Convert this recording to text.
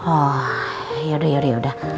oh yaudah yaudah yaudah